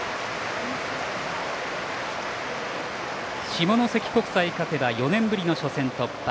下関国際勝てば４年ぶりの初戦突破。